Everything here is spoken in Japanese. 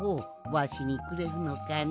わしにくれるのかね？